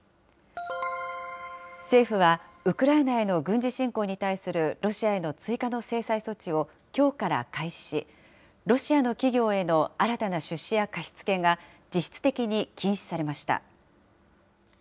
政府は、ウクライナへの軍事侵攻に対するロシアへの追加の制裁措置をきょうから開始し、ロシアの企業への新たな出資や貸し付けが、実質的に禁止されました。